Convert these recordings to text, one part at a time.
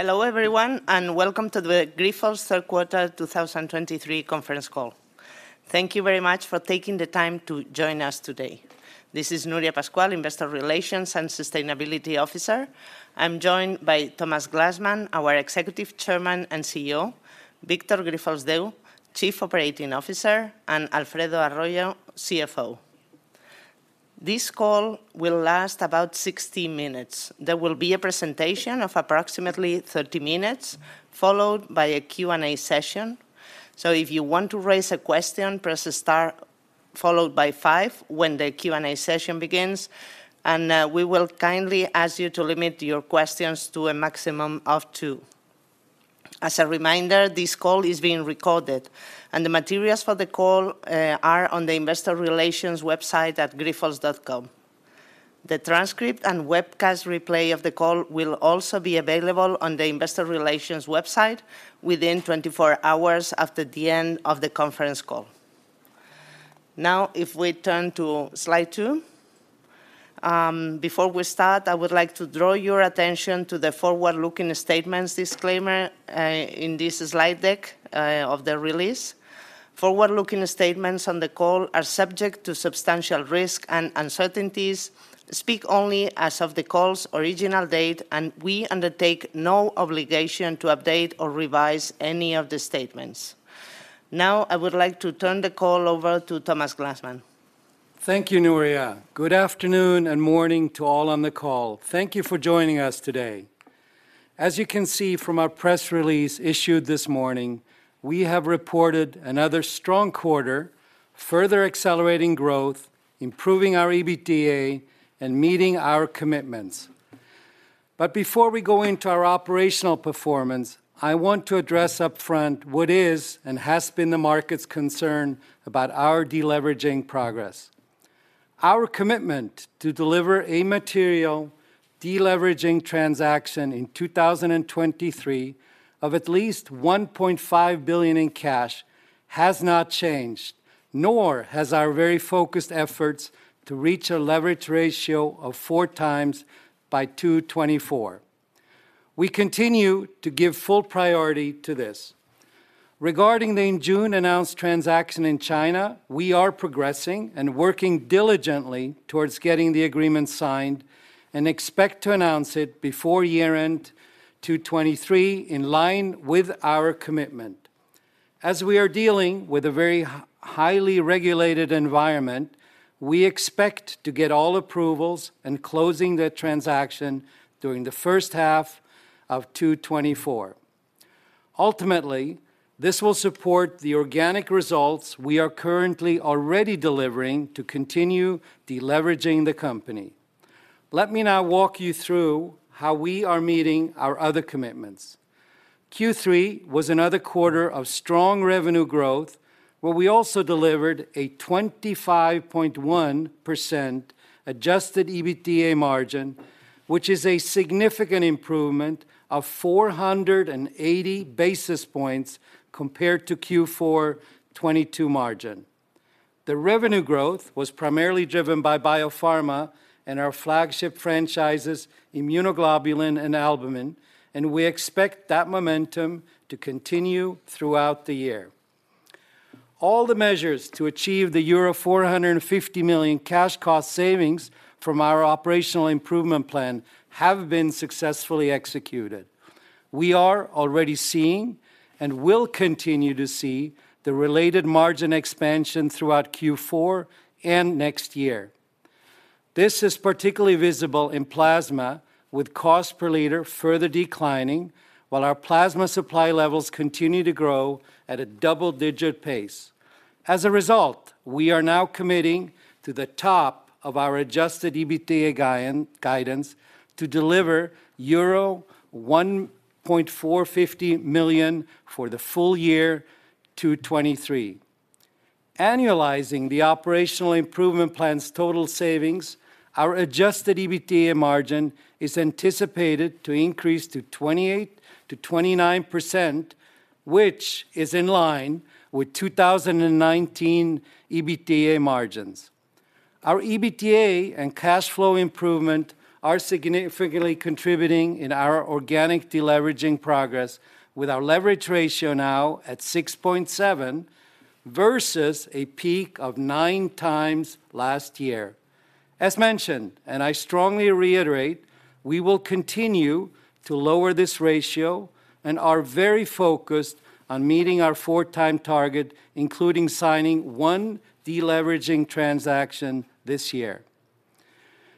Hello everyone, and welcome to the Grifols Q3 2023 conference call. Thank you very much for taking the time to join us today. This is Nuria Pascual, Investor Relations and Sustainability Officer. I'm joined by Thomas Glanzmann, our Executive Chairman and CEO, Víctor Grifols Deu, Chief Operating Officer, and Alfredo Arroyo, CFO. This call will last about 60 minutes. There will be a presentation of approximately 30 minutes, followed by a Q&A session. So if you want to raise a question, press star followed by 5 when the Q&A session begins, and we will kindly ask you to limit your questions to a maximum of two. As a reminder, this call is being recorded, and the materials for the call are on the Investor Relations website at Grifols.com. The transcript and webcast replay of the call will also be available on the Investor Relations website within 24 hours after the end of the conference call. Now, if we turn to slide 2. Before we start, I would like to draw your attention to the forward-looking statements disclaimer in this slide deck of the release. Forward-looking statements on the call are subject to substantial risk and uncertainties, speak only as of the call's original date, and we undertake no obligation to update or revise any of the statements. Now, I would like to turn the call over to Thomas Glanzmann. Thank you, Nuria. Good afternoon and morning to all on the call. Thank you for joining us today. As you can see from our press release issued this morning, we have reported another strong quarter, further accelerating growth, improving our EBITDA, and meeting our commitments. But before we go into our operational performance, I want to address upfront what is and has been the market's concern about our deleveraging progress. Our commitment to deliver a material deleveraging transaction in 2023 of at least 1.5 billion in cash has not changed, nor has our very focused efforts to reach a leverage ratio of four times by 2024. We continue to give full priority to this. Regarding the in June announced transaction in China, we are progressing and working diligently towards getting the agreement signed and expect to announce it before year-end 2023, in line with our commitment. As we are dealing with a very highly regulated environment, we expect to get all approvals and closing the transaction during the H1 of 2024. Ultimately, this will support the organic results we are currently already delivering to continue deleveraging the company. Let me now walk you through how we are meeting our other commitments. Q3 was another quarter of strong revenue growth, where we also delivered a 25.1% adjusted EBITDA margin, which is a significant improvement of 480 basis points compared to Q4 2022 margin. The revenue growth was primarily driven by Biopharma and our flagship franchises, Immunoglobulin and Albumin, and we expect that momentum to continue throughout the year. All the measures to achieve the euro 450 million cash cost savings from our Operational Improvement Plan have been successfully executed. We are already seeing and will continue to see the related margin expansion throughout Q4 and next year. This is particularly visible in Plasma, with cost per liter further declining, while our Plasma supply levels continue to grow at a double-digit pace. As a result, we are now committing to the top of our adjusted EBITDA guidance to deliver euro 1.450 million for the full year 2023. Annualizing the Operational Improvement Plan's total savings, our adjusted EBITDA margin is anticipated to increase to 28-29%, which is in line with 2019 EBITDA margins. Our EBITDA and cash flow improvement are significantly contributing in our organic deleveraging progress, with our leverage ratio now at 6.7 versus a peak of nine times last year. As mentioned, and I strongly reiterate, we will continue to lower this ratio and are very focused on meeting our 4 time target, including signing one deleveraging transaction this year.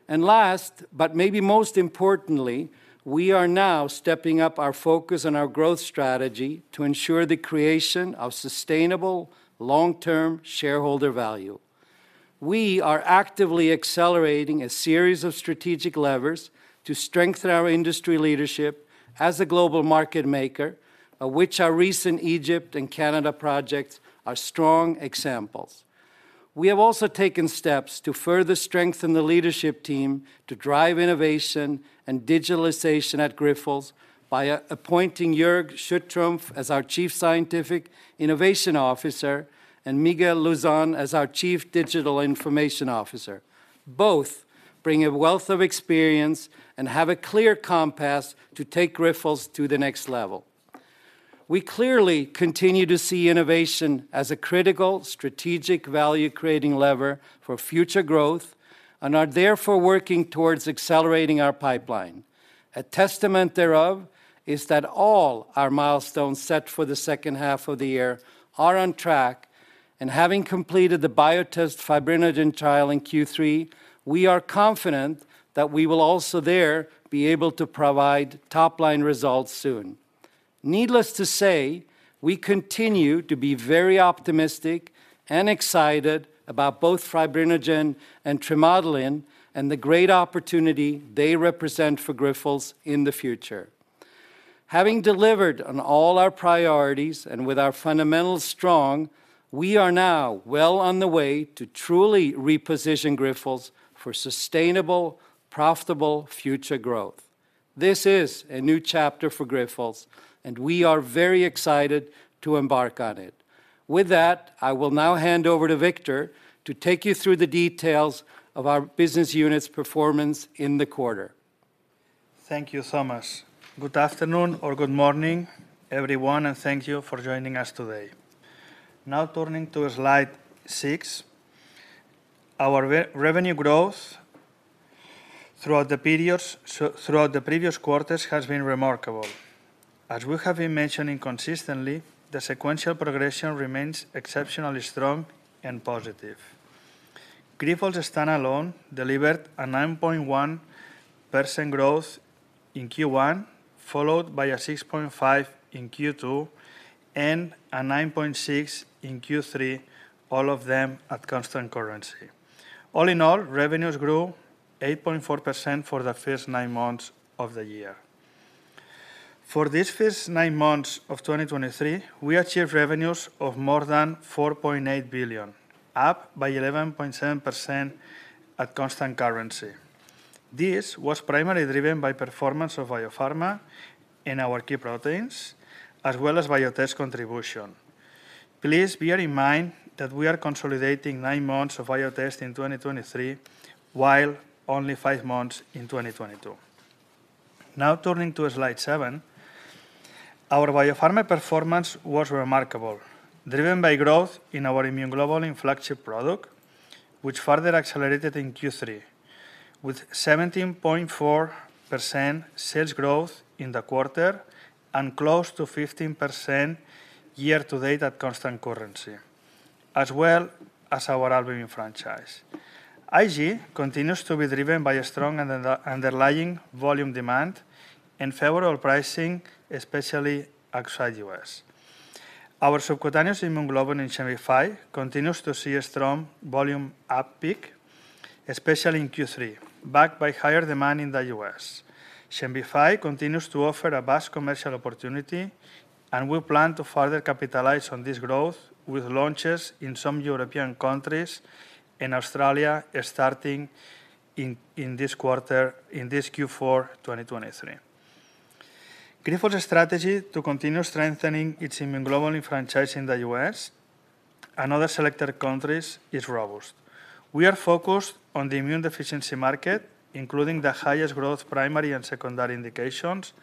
And last, but maybe most importantly, we are now stepping up our focus on our growth strategy to ensure the creation of sustainable, long-term shareholder value. We are actively accelerating a series of strategic levers to strengthen our industry leadership as a global market maker, of which our recent Egypt and Canada projects are strong examples. We have also taken steps to further strengthen the leadership team to drive innovation and digitalization at Grifols by appointing Jörg Schüttrumpf as our Chief Scientific Innovation Officer and Miguel Louzan as our Chief Digital Information Officer. Both bring a wealth of experience and have a clear compass to take Grifols to the next level. We clearly continue to see innovation as a critical strategic value-creating lever for future growth, and are therefore working towards accelerating our pipeline. A testament thereof is that all our milestones set for the H2 of the year are on track, and having completed the Biotest Fibrinogen trial in Q3, we are confident that we will also there be able to provide top-line results soon. Needless to say, we continue to be very optimistic and excited about both Fibrinogen and Trimodulin, and the great opportunity they represent for Grifols in the future. Having delivered on all our priorities and with our fundamentals strong, we are now well on the way to truly reposition Grifols for sustainable, profitable future growth. This is a new chapter for Grifols, and we are very excited to embark on it. With that, I will now hand over to Víctor to take you through the details of our business unit's performance in the quarter. Thank you, Thomas. Good afternoon or good morning, everyone, and thank you for joining us today. Now turning to slide six. Our revenue growth throughout the periods throughout the previous quarters has been remarkable. As we have been mentioning consistently, the sequential progression remains exceptionally strong and positive. Grifols stand-alone delivered a 9.1% growth in Q1, followed by a 6.5 in Q2 and a 9.6 in Q3, all of them at constant currency. All in all, revenues grew 8.4% for the first nine months of the year. For these first nine months of 2023, we achieved revenues of more than 4.8 billion, up by 11.7% at constant currency. This was primarily driven by performance of Biopharma in our key proteins, as well as Biotest contribution. Please bear in mind that we are consolidating nine months of Biotest in 2023, while only five months in 2022. Now, turning to slide 7. Our Biopharma performance was remarkable, driven by growth in our immunoglobulin flagship product, which further accelerated in Q3, with 17.4% sales growth in the quarter and close to 15% year-to-date at constant currency, as well as our albumin franchise. IG continues to be driven by a strong underlying volume demand and favorable pricing, especially outside U.S. Our subcutaneous immunoglobulin Xembify continues to see a strong volume uptake, especially in Q3, backed by higher demand in the U.S. Xembify continues to offer a vast commercial opportunity, and we plan to further capitalize on this growth with launches in some European countries and Australia, starting in this quarter, in this Q4 2023. Grifols' strategy to continue strengthening its immunoglobulin franchise in the U.S. and other selected countries is robust. We are focused on the immune deficiency market, including the highest growth primary and secondary indications,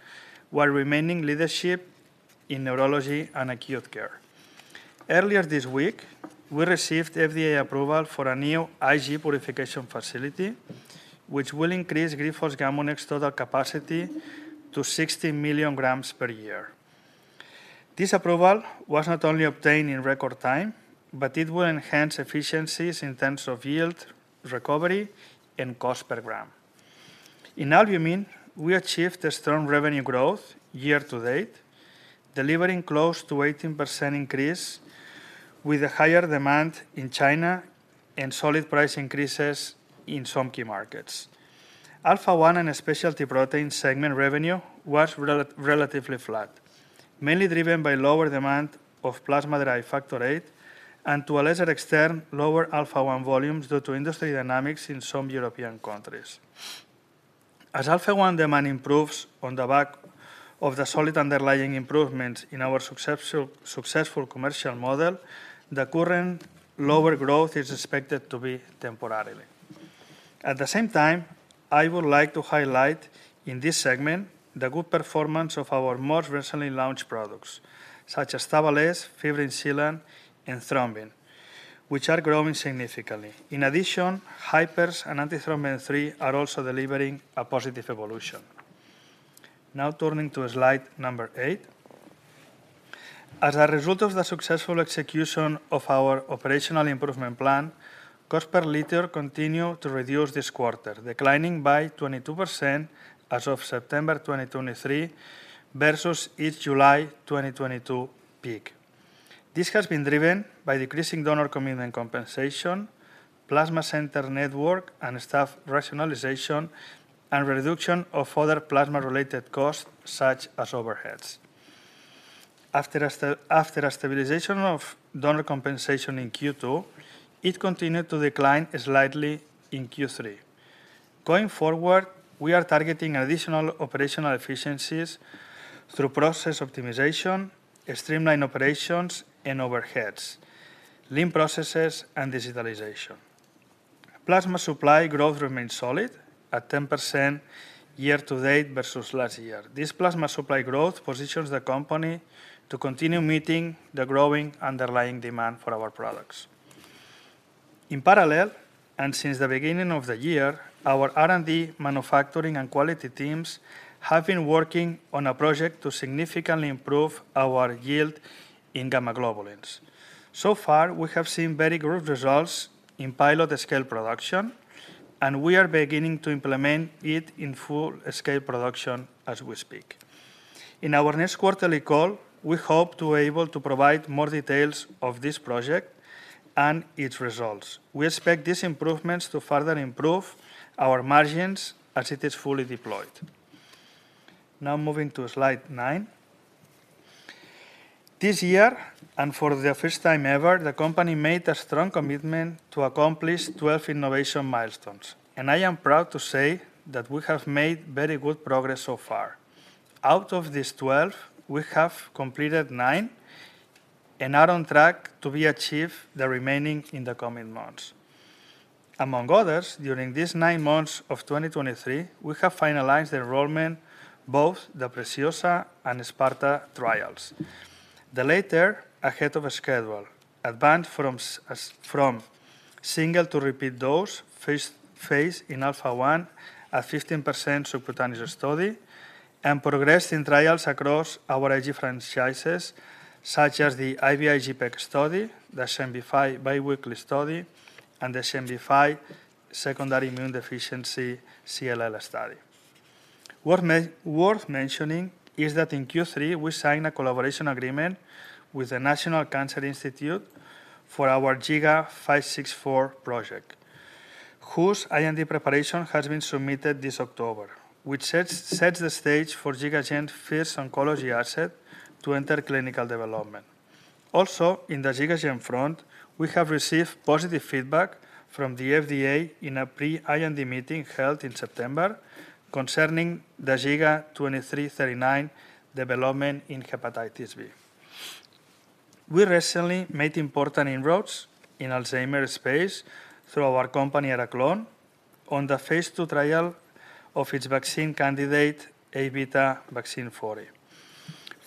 while remaining leadership in neurology and acute care. Earlier this week, we received FDA approval for a new IG purification facility, which will increase Grifols Gamunex total capacity to 60 million grams per year. This approval was not only obtained in record time, but it will enhance efficiencies in terms of yield, recovery, and cost per gram. In albumin, we achieved a strong revenue growth year to date, delivering close to 18% increase, with a higher demand in China and solid price increases in some key markets. Alpha-1 and Specialty Proteins segment revenue was relatively flat, mainly driven by lower demand of plasma-derived factor VIII, and to a lesser extent, lower Alpha-1 volumes due to industry dynamics in some European countries. As Alpha-1 demand improves on the back of the solid underlying improvements in our successful commercial model, the current lower growth is expected to be temporarily. At the same time, I would like to highlight in this segment the good performance of our most recently launched products, such as Tavlesse, Fibrin Sealant, and Thrombin, which are growing significantly. In addition, Hypers and Antithrombin III are also delivering a positive evolution. Now turning to slide number 8. As a result of the successful execution of our operational improvement plan, cost per liter continued to reduce this quarter, declining by 22% as of September 2023 versus its July 2022 peak. This has been driven by decreasing donor commitment compensation, plasma center network and staff rationalization, and reduction of other plasma-related costs, such as overheads. After a stabilization of donor compensation in Q2, it continued to decline slightly in Q3. Going forward, we are targeting additional operational efficiencies through process optimization, streamlined operations and overheads, lean processes, and digitalization. Plasma supply growth remains solid at 10% year to date versus last year. This Plasma supply growth positions the company to continue meeting the growing underlying demand for our products. In parallel, and since the beginning of the year our R&D, manufacturing, and quality teams have been working on a project to significantly improve our yield in gamma globulins. So far, we have seen very good results in pilot-scale production, and we are beginning to implement it in full-scale production as we speak. In our next quarterly call, we hope to be able to provide more details of this project and its results. We expect these improvements to further improve our margins as it is fully deployed. Now, moving to slide nine. This year, and for the first time ever, the company made a strong commitment to accomplish 12 innovation milestones, and I am proud to say that we have made very good progress so far. Out of these 12, we have completed nine and are on track to achieve the remaining in the coming months. Among others, during these nine months of 2023, we have finalized the enrollment, both the PRECIOSA and SPARTA trials. The latter, ahead of schedule, advanced from single to repeat dose, first phase in Alpha-1, a 15% subcutaneous study, and progressed in trials across our IG franchises, such as the IVIG-PEG study, the Xembify biweekly study, and the Xembify secondary immune deficiency CLL study. Worth mentioning is that in Q3, we signed a collaboration agreement with the National Cancer Institute for our GIGA-564 project, whose IND preparation has been submitted this October, which sets the stage for GigaGen's first oncology asset to enter clinical development. Also, in the GigaGen front, we have received positive feedback from the FDA in a pre-IND meeting held in September concerning the GIGA-2339 development in hepatitis B. We recently made important inroads in Alzheimer's space through our company, Araclon, on the phase II trial of its vaccine candidate, ABvac40.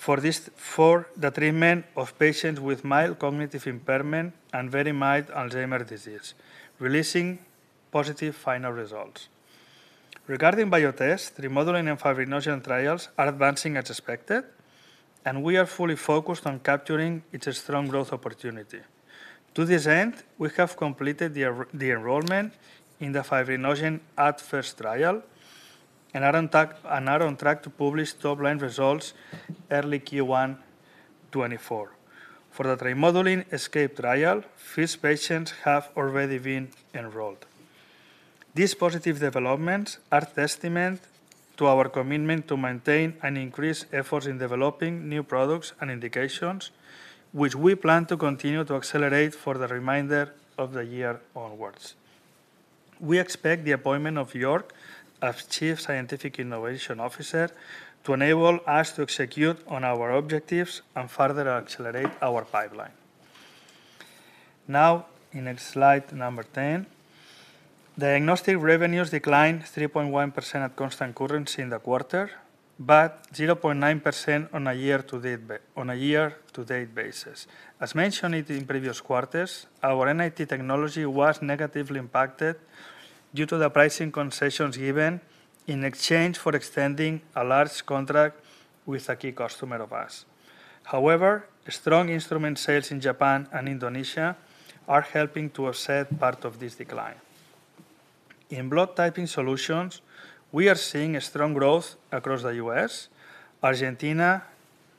For this... For the treatment of patients with mild cognitive impairment and very mild Alzheimer's disease, releasing positive final results. Regarding Biotest, Trimodulin and Fibrinogen trials are advancing as expected, and we are fully focused on capturing its strong growth opportunity. To this end, we have completed the enrollment in the Fibrinogen AdFirst trial, and are on track to publish top-line results early Q1 2024. For the Trimodulin ESCAPE trial, first patients have already been enrolled. These positive developments are a testament to our commitment to maintain and increase efforts in developing new products and indications, which we plan to continue to accelerate for the remainder of the year onwards. We expect the appointment of Jörg as Chief Scientific Innovation Officer to enable us to execute on our objectives and further accelerate our pipeline. Now, in slide number 10, diagnostic revenues declined 3.1% at constant currency in the quarter, but 0.9% on a year-to-date basis. As mentioned in the previous quarters, our NAT technology was negatively impacted due to the pricing concessions given in exchange for extending a large contract with a key customer of ours. However, strong instrument sales in Japan and Indonesia are helping to offset part of this decline. In blood typing solutions, we are seeing a strong growth across the U.S., Argentina,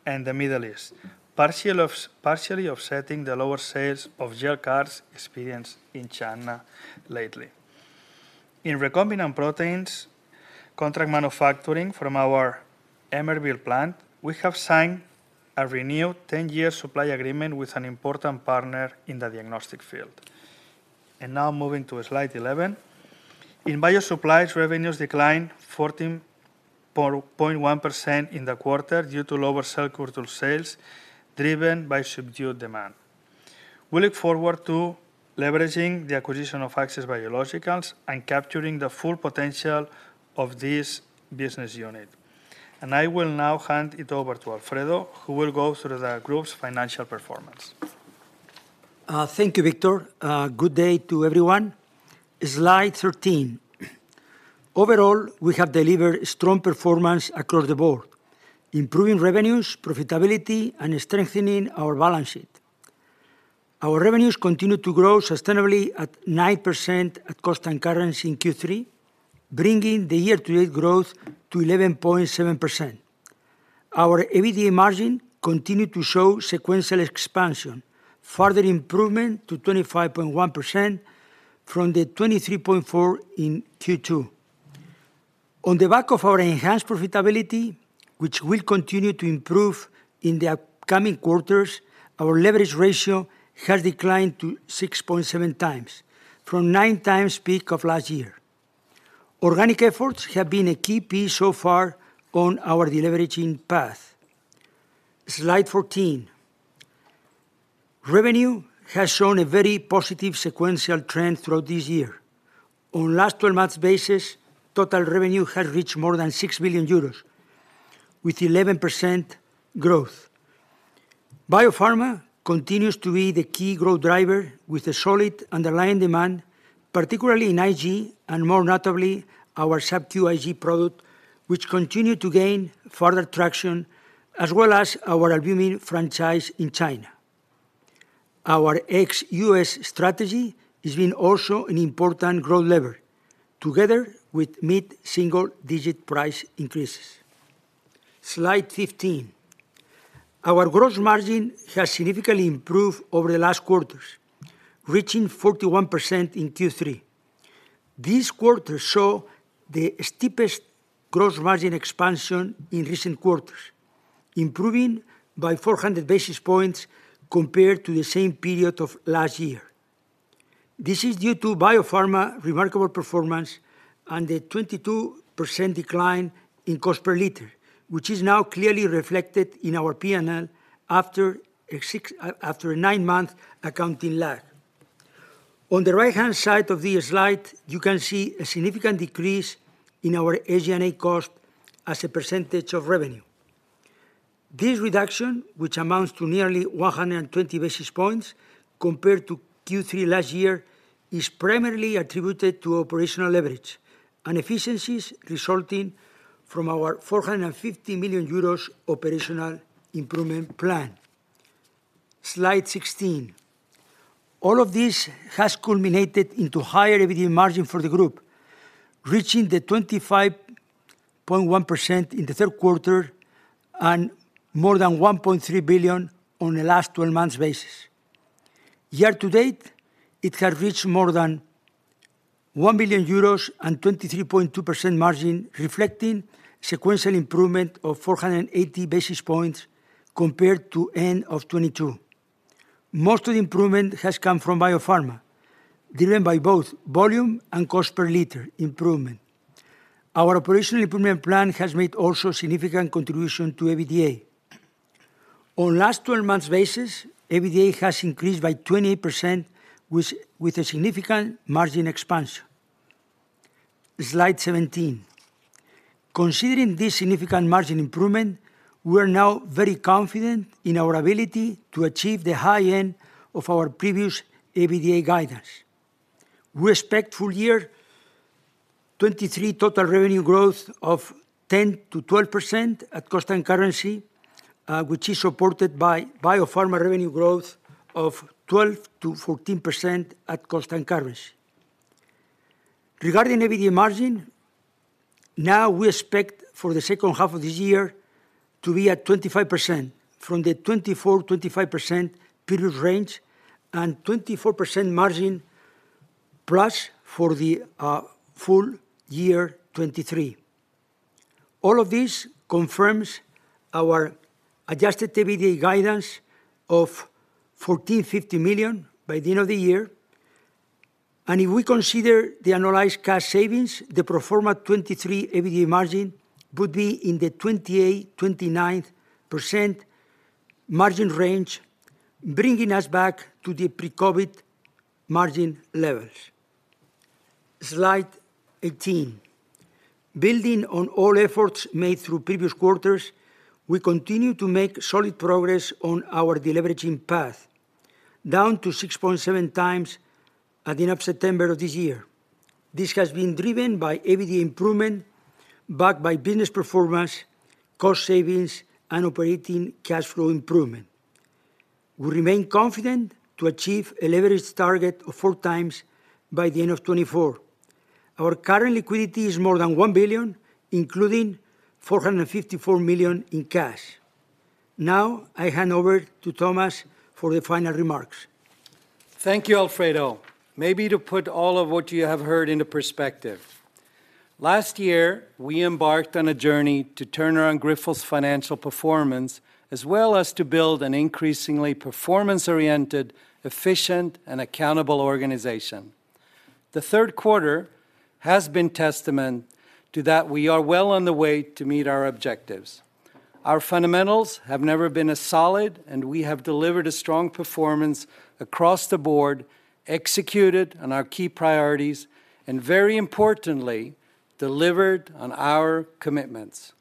and the Middle East, partially offsetting the lower sales of GelCards experienced in China lately. In recombinant proteins, contract manufacturing from our Emeryville plant, we have signed a renewed 10-year supply agreement with an important partner in the diagnostic field. Now moving to slide 11. In Bio Supplies, revenues declined 14.1% in the quarter due to lower cell culture sales, driven by subdued demand. We look forward to leveraging the acquisition of Access Biologicals and capturing the full potential of this business unit. I will now hand it over to Alfredo, who will go through the group's financial performance. Thank you, Victor. Good day to everyone. Slide 13. Overall, we have delivered strong performance across the board, improving revenues, profitability, and strengthening our balance sheet. Our revenues continue to grow sustainably at 9% at constant currency in Q3, bringing the year-to-date growth to 11.7%. Our EBITDA margin continued to show sequential expansion, further improvement to 25.1% from the 23.4% in Q2. On the back of our enhanced profitability, which will continue to improve in the upcoming quarters, our leverage ratio has declined to 6.7 times from 9 times peak of last year. Organic efforts have been a key piece so far on our deleveraging path. Slide 14. Revenue has shown a very positive sequential trend throughout this year. On last twelve months basis, total revenue has reached more than 6 billion euros, with 11% growth. Biopharma continues to be the key growth driver, with a solid underlying demand, particularly in IG, and more notably, our SubQ IG product, which continued to gain further traction, as well as our albumin franchise in China. Our ex-U.S. strategy has been also an important growth lever, together with mid-single-digit price increases. Slide 15. Our gross margin has significantly improved over the last quarters, reaching 41% in Q3. This quarter show the steepest gross margin expansion in recent quarters, improving by 400 basis points compared to the same period of last year. This is due to Biopharma remarkable performance and a 22% decline in cost per liter, which is now clearly reflected in our P&L after a nine-month accounting lag. On the right-hand side of this slide, you can see a significant decrease in our SG&A cost as a percentage of revenue. This reduction, which amounts to nearly 120 basis points compared to Q3 last year, is primarily attributed to operational leverage and efficiencies resulting from our 450 million euros Operational Improvement Plan. Slide 16. All of this has culminated into higher EBITDA margin for the group, reaching the 25.1% in the Q3 and more than 1.3 billion on a last twelve months basis. Year-to-date, it has reached more than 1 billion euros and 23.2% margin, reflecting sequential improvement of 480 basis points compared to end of 2022. Most of the improvement has come from Biopharma, driven by both volume and cost per liter improvement. Our Operational Improvement Plan has made also significant contribution to EBITDA. On last twelve months basis, EBITDA has increased by 20%, with a significant margin expansion. Slide 17. Considering this significant margin improvement, we're now very confident in our ability to achieve the high end of our previous EBITDA guidance. We expect full year 2023 total revenue growth of 10%-12% at constant currency, which is supported by Biopharma revenue growth of 12%-14% at constant currency. Regarding EBITDA margin, now we expect for the second half of this year to be at 25% from the 24%-25% previous range, and 24% margin plus for the full year 2023. All of this confirms our adjusted EBITDA guidance of 1.450 million by the end of the year. If we consider the annualized cost savings, the pro forma 2023 EBITDA margin would be in the 28%-29% margin range, bringing us back to the pre-COVID margin levels. Slide 18. Building on all efforts made through previous quarters, we continue to make solid progress on our deleveraging path, down to 6.7 times at the end of September of this year. This has been driven by EBITDA improvement, backed by business performance, cost savings, and operating cash flow improvement. We remain confident to achieve a leverage target of 4 times by the end of 2024. Our current liquidity is more than 1 billion, including 454 million in cash. Now, I hand over to Thomas for the final remarks. Thank you, Alfredo. Maybe to put all of what you have heard into perspective, last year, we embarked on a journey to turn around Grifols' financial performance, as well as to build an increasingly performance-oriented, efficient, and accountable organization. The Q3 has been testament to that we are well on the way to meet our objectives. Our fundamentals have never been as solid, and we have delivered a strong performance across the board, executed on our key priorities, and very importantly, delivered on our commitments.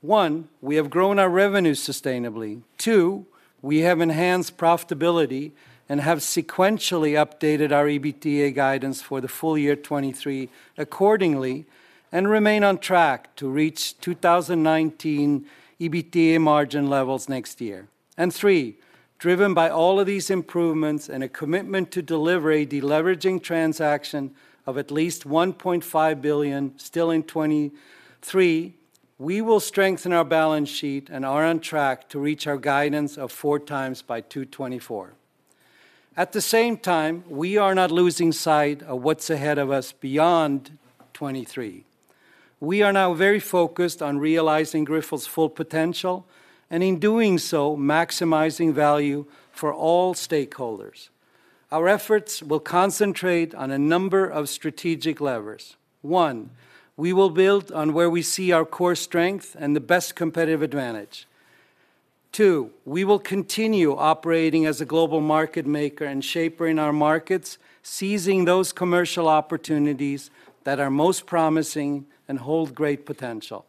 One, we have grown our revenue sustainably. Two, we have enhanced profitability and have sequentially updated our EBITDA guidance for the full year 2023 accordingly, and remain on track to reach 2019 EBITDA margin levels next year. And three, driven by all of these improvements and a commitment to deliver a deleveraging transaction of at least 1.5 billion still in 2023, we will strengthen our balance sheet and are on track to reach our guidance of 4 times by 2024. At the same time, we are not losing sight of what's ahead of us beyond 2023. We are now very focused on realizing Grifols' full potential, and in doing so, maximizing value for all stakeholders. Our efforts will concentrate on a number of strategic levers. One, we will build on where we see our core strength and the best competitive advantage. Two, we will continue operating as a global market maker and shaper in our markets, seizing those commercial opportunities that are most promising and hold great potential.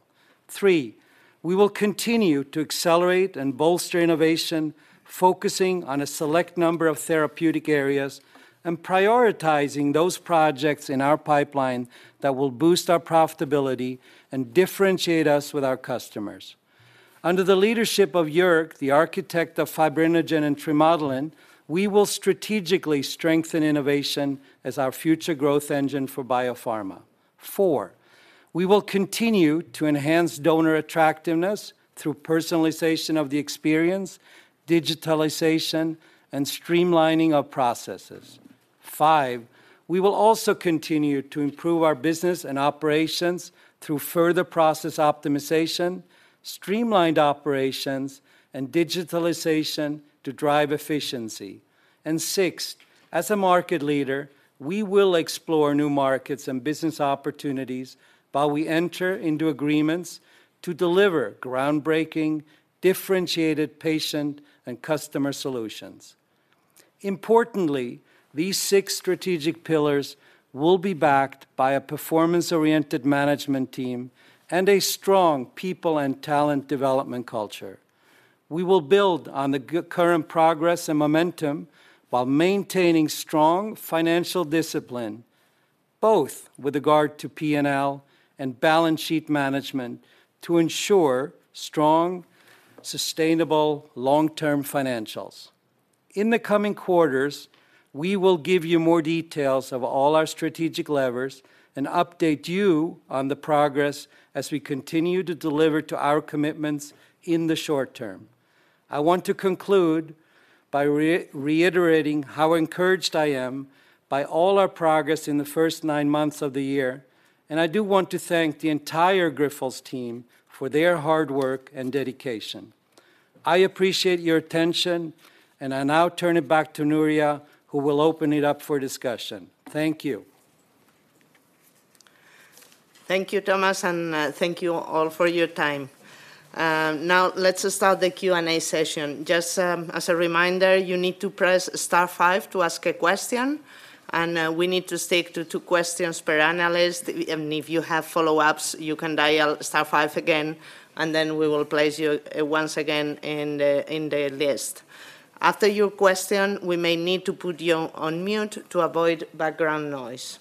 Three, we will continue to accelerate and bolster innovation, focusing on a select number of therapeutic areas, and prioritizing those projects in our pipeline that will boost our profitability and differentiate us with our customers. Under the leadership of Jörg, the architect of Fibrinogen and Trimodulin, we will strategically strengthen innovation as our future growth engine for Biopharma. Four, we will continue to enhance donor attractiveness through personalization of the experience, digitalization, and streamlining of processes. Five, we will also continue to improve our business and operations through further process optimization, streamlined operations, and digitalization to drive efficiency. And six, as a market leader, we will explore new markets and business opportunities while we enter into agreements to deliver groundbreaking, differentiated patient and customer solutions. Importantly, these six strategic pillars will be backed by a performance-oriented management team and a strong people and talent development culture. We will build on the current progress and momentum while maintaining strong financial discipline, both with regard to P&L and balance sheet management, to ensure strong, sustainable, long-term financials. In the coming quarters, we will give you more details of all our strategic levers and update you on the progress as we continue to deliver to our commitments in the short term. I want to conclude by reiterating how encouraged I am by all our progress in the first nine months of the year, and I do want to thank the entire Grifols team for their hard work and dedication. I appreciate your attention, and I now turn it back to Nuria, who will open it up for discussion. Thank you. Thank you, Thomas, and thank you all for your time. Now let's start the Q&A session. Just as a reminder, you need to press star five to ask a question, and we need to stick to two questions per analyst. If you have follow-ups, you can dial star five again, and then we will place you once again in the list. After your question, we may need to put you on mute to avoid background noise.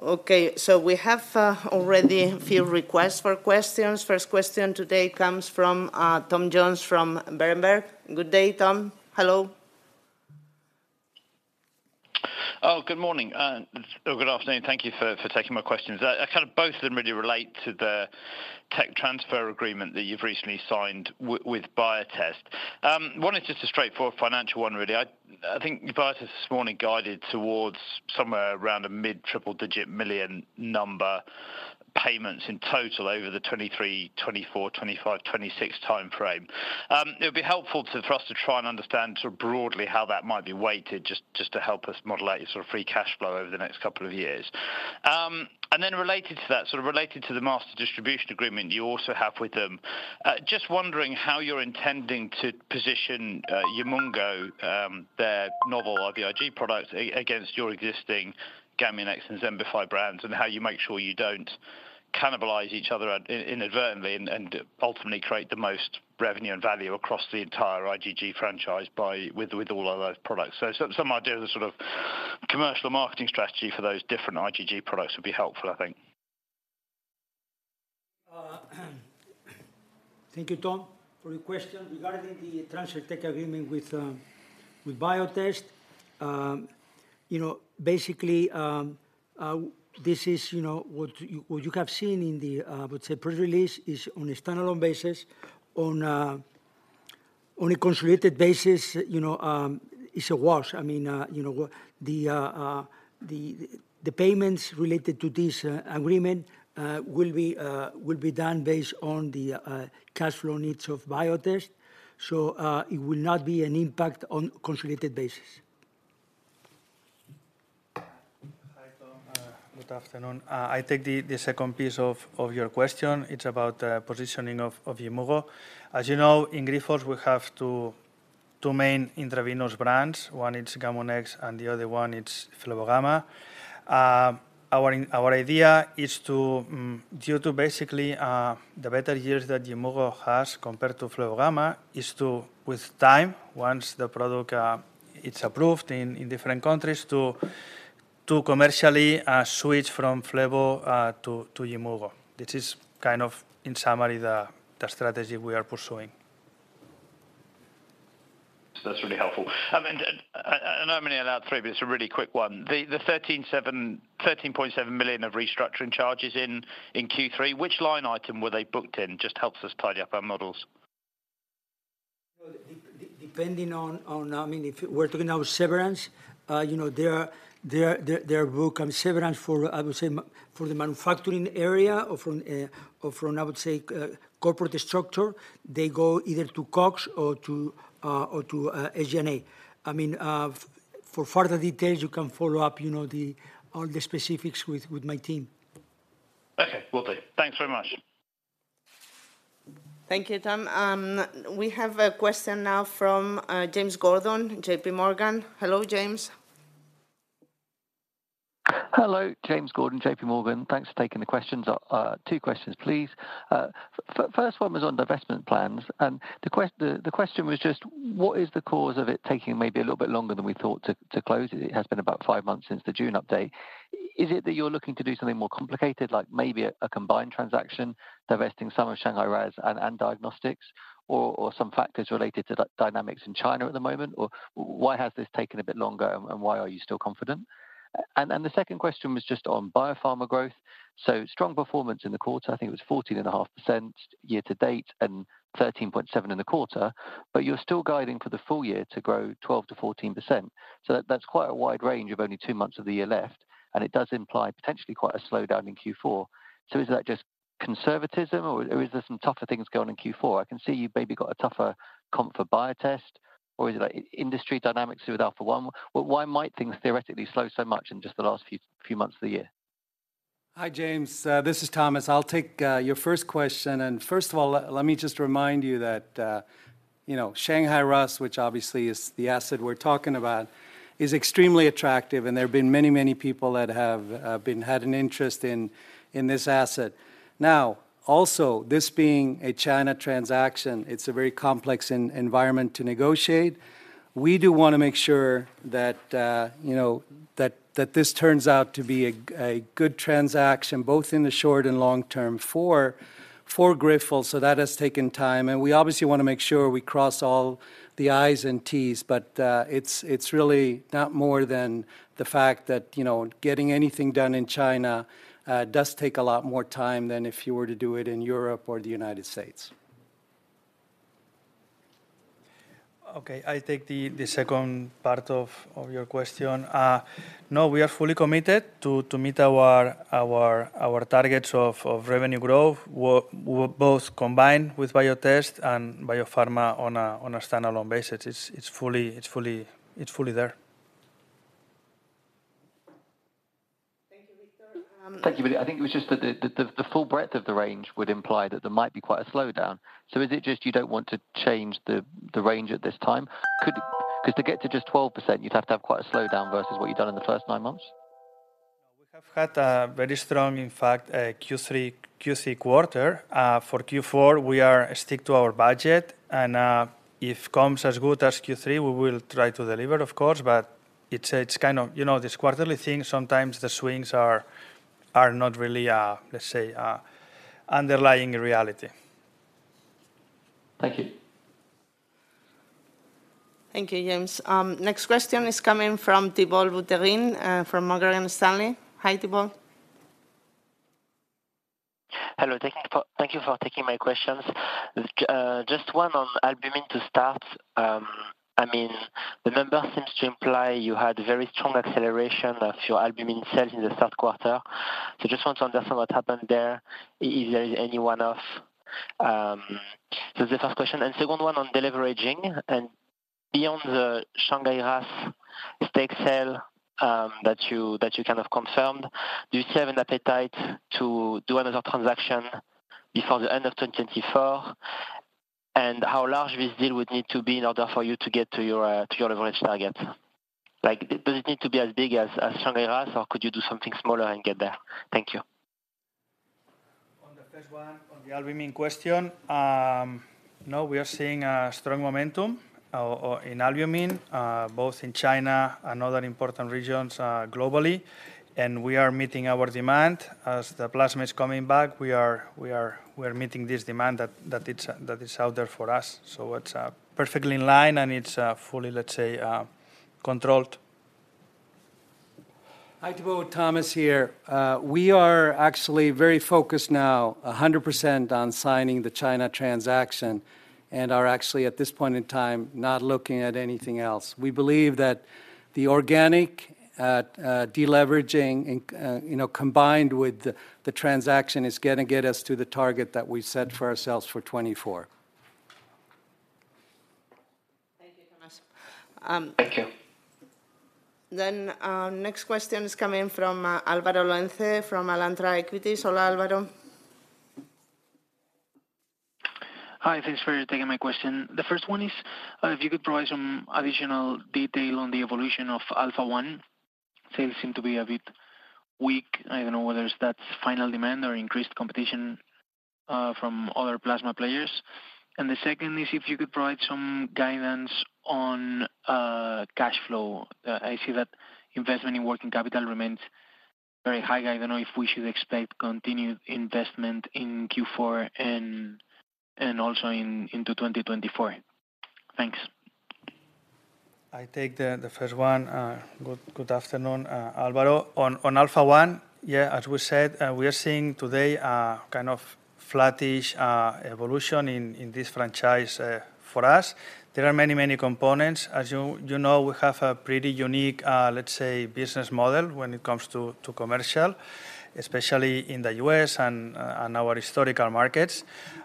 Okay, so we have already a few requests for questions. First question today comes from Tom Jones, from Berenberg. Good day, Tom. Hello. Good morning. Or good afternoon. Thank you for taking my questions. Kind of both of them really relate to the tech transfer agreement that you've recently signed with Biotest. One is just a straightforward financial one, really. I think Biotest this morning guided towards somewhere around a mid-triple-digit million number payments in total over the 2023, 2024, 2025, 2026 time frame. It would be helpful for us to try and understand sort of broadly how that might be weighted, just to help us modulate your sort of free cash flow over the next couple of years. And then related to that, sort of related to the master distribution agreement you also have with them, just wondering how you're intending to position Yimmugo, their novel IVIG product against your existing Gamunex and Xembify brands, and how you make sure you don't cannibalize each other inadvertently and ultimately create the most revenue and value across the entire IVIG franchise with all of those products. So some idea of the sort of commercial marketing strategy for those different IVIG products would be helpful, I think. Thank you, Tom, for your question. Regarding the transfer tech agreement with, with Biotest, you know, basically, this is, you know, what you, what you have seen in the, let's say, press release, is on a standalone basis, on a, on a consolidated basis, you know, it's a wash. I mean, you know, the, the payments related to this, agreement, will be, will be done based on the, cash flow needs of Biotest, so, it will not be an impact on consolidated basis. Hi, Tom, good afternoon. I take the second piece of your question. It's about the positioning of Yimmugo. As you know, in Grifols, we have two main intravenous brands. One is Gamunex, and the other one it's Flebogamma. Our idea is to, due to basically, the better years that Yimmugo has compared to Flebogamma, is to, with time, once the product is approved in different countries, to commercially switch from Flebo to Yimmugo. This is kind of, in summary, the strategy we are pursuing. That's really helpful. I mean, I know I'm only allowed three, but it's a really quick one. The 13.7 million of restructuring charges in Q3, which line item were they booked in? Just helps us tidy up our models. Well, depending on, on... I mean, if we're talking now severance, you know, there are book severance for, I would say, for the manufacturing area or from, or from, I would say, corporate structure. They go either to COGS or to, or to, SG&A. I mean, for further details, you can follow up, you know, the, all the specifics with, with my team. .Okay, will do. Thanks very much. Thank you, Tom. We have a question now from James Gordon, JPMorgan. Hello, James. Hello, James Gordon, JPMorgan. Thanks for taking the questions. Two questions, please. First one was on divestment plans, and the question was just, what is the cause of it taking maybe a little bit longer than we thought to, to close? It has been about five months since the June update. Is it that you're looking to do something more complicated, like maybe a, a combined transaction, divesting some of Shanghai RAAS and, and Diagnostics, or, or some factors related to dynamics in China at the moment? Or why has this taken a bit longer, and, and why are you still confident? And then the second question was just on Biopharma growth. Strong performance in the quarter, I think it was 14.5% year to date, and 13.7% in the quarter, but you're still guiding for the full year to grow 12%-14%. That's quite a wide range with only two months of the year left, and it does imply potentially quite a slowdown in Q4. So is that just conservatism, or is there some tougher things going on in Q4? I can see you've maybe got a tougher comp for Biotest, or is it, like, industry dynamics with Alpha-1? Why might things theoretically slow so much in just the last few months of the year? Hi, James. This is Thomas. I'll take your first question, and first of all, let me just remind you that, you know, Shanghai RAAS, which obviously is the asset we're talking about, is extremely attractive, and there have been many, many people that have an interest in this asset. Now, also, this being a China transaction, it's a very complex environment to negotiate. We do wanna make sure that, you know, that this turns out to be a good transaction, both in the short and long term, for Grifols, so that has taken time. We obviously wanna make sure we cross all the I's and T's, but it's really not more than the fact that, you know, getting anything done in China does take a lot more time than if you were to do it in Europe or the United States. Okay, I take the second part of your question. No, we are fully committed to meet our targets of revenue growth, both combined with Biotest and Biopharma on a standalone basis. It's fully there. Thank you, Víctor. Thank you, but I think it was just that the full breadth of the range would imply that there might be quite a slowdown. So is it just you don't want to change the range at this time? 'Cause to get to just 12%, you'd have to have quite a slowdown versus what you've done in the first nine months. We have had a very strong, in fact, Q3. For Q4, we are stick to our budget, and, if comes as good as Q3, we will try to deliver, of course, but it's kind of, you know, this quarterly thing, sometimes the swings are not really, let's say, underlying reality. Thank you. Thank you, James. Next question is coming from Thibault Boutherin, from Morgan Stanley. Hi, Thibault. Hello, thank you for, thank you for taking my questions. Just one on albumin to start. I mean, the numbers seems to imply you had very strong acceleration of your albumin sales in the Q3. So just want to understand what happened there. Is there any one-off? So the first question, and second one on deleveraging, and beyond the Shanghai RAAS stake sale, that you, that you kind of confirmed, do you have an appetite to do another transaction before the end of 2024? And how large this deal would need to be in order for you to get to your, to your leverage target? Like, does it need to be as big as, as Shanghai RAAS, or could you do something smaller and get there? Thank you. On the albumin question, no, we are seeing a strong momentum or in albumin both in China and other important regions globally, and we are meeting our demand. As the plasma is coming back, we are meeting this demand that it is out there for us. So it's perfectly in line, and it's fully, let's say, controlled. Hi, Thibault, Thomas here. We are actually very focused now 100% on signing the China transaction and are actually, at this point in time, not looking at anything else. We believe that the organic deleveraging, you know, combined with the transaction, is gonna get us to the target that we set for ourselves for 2024. Thank you, Thomas. Thank you. Then, next question is coming from, Alvaro Lenze from Alantra Equities. Hola, Alvaro. Hi, thanks for taking my question. The first one is, if you could provide some additional detail on the evolution of Alpha-1? Sales seem to be a bit weak. I don't know whether it's that final demand or increased competition from other plasma players. And the second is if you could provide some guidance on cash flow. I see that investment in working capital remains very high. I don't know if we should expect continued investment in Q4 and, and also in, into 2024. Thanks. I take the first one. Good afternoon, Alvaro. On Alpha-1, yeah, as we said, we are seeing today a kind of flattish evolution in this franchise for us. There are many, many components. As you know, we have a pretty unique, let's say, business model when it comes to commercial, especially in the U.S. and our historical markets.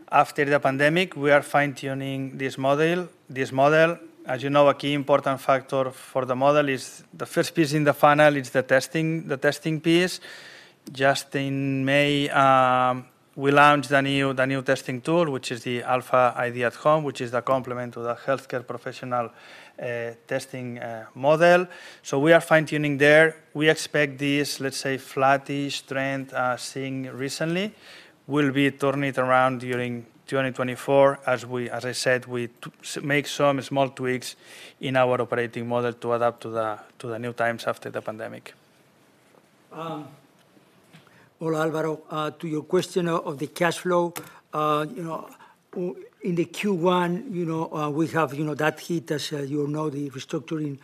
After the pandemic, we are fine-tuning this model. This model, as you know, a key important factor for the model is the first piece in the funnel, it's the testing, the testing piece. Just in May, we launched the new testing tool, which is the AlphaID At Home, which is the complement to the healthcare professional testing model. So we are fine-tuning there. We expect this, let's say, flattish trend seeing recently, will be turning it around during 2024. As I said, we make some small tweaks in our operating model to adapt to the new times after the pandemic. Well, Alvaro, to your question of, of the cash flow, you know, in the Q1, you know, we have, you know, that hit, as, you know, the restructuring,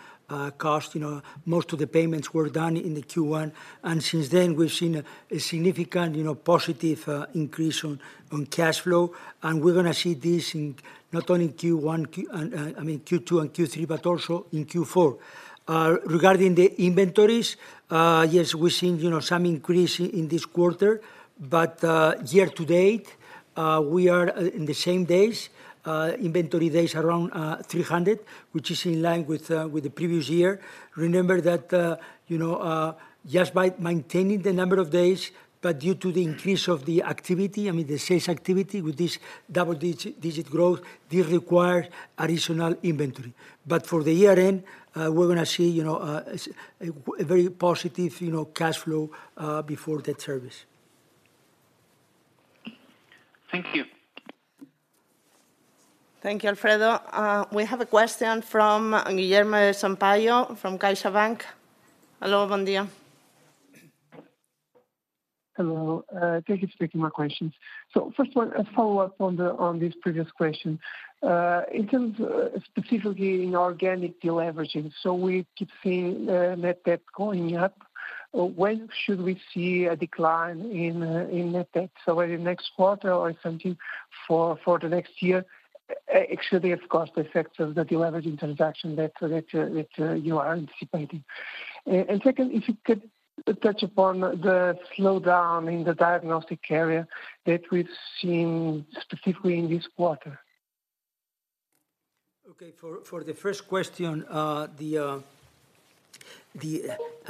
cost. You know, most of the payments were done in the Q1, and since then, we've seen a, a significant, you know, positive, increase on, on cash flow, and we're gonna see this in not only in Q1, Q... I, I mean Q2 and Q3, but also in Q4. Regarding the inventories, yes, we're seeing, you know, some increase in this quarter, but, year-to-date, we are, in the same days, inventory days around, 300, which is in line with, with the previous year. Remember that, you know, just by maintaining the number of days, but due to the increase of the activity, I mean, the sales activity with this double digit growth, this require additional inventory. But for the year end, you know, a very positive cash flow before debt service. Thank you. Thank you, Alfredo. We have a question from Guilherme Sampaio, from CaixaBank. Hello, bon dia. Hello, thank you for taking my questions. So first one, a follow-up on this previous question. In terms, specifically in organic deleveraging, so we keep seeing, net debt going up. When should we see a decline in net debt? So whether next quarter or something for the next year, actually, of course, the effect of the deleveraging transaction that you are anticipating? And second, if you could touch upon the slowdown in the diagnostic area that we've seen specifically in this quarter? Okay. For the first question, I